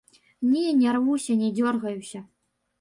Не нярвуюся, не дзёргаюся.